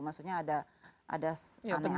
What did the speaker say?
maksudnya ada aneh aneh gak